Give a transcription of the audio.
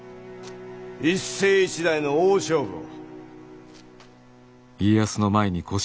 一世一代の大勝負を。